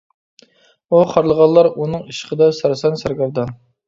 ئۇ خارلىغانلار ئۇنىڭ ئىشقىدا سەرسان سەرگەردان.